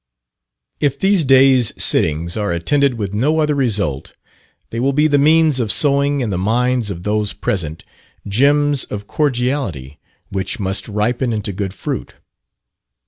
If these days' sittings are attended with no other result, they will be the means of sowing in the minds of those present, gems of cordiality which must ripen into good fruit.